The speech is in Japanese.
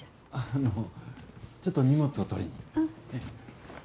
あの、ちょっと荷物を取りに。